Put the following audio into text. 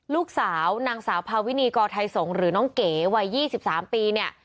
ลูกสาวนางสาวพาวินีกอไทยสงศ์หรือน้องเก๋วัย๒๓ปีเนี่ย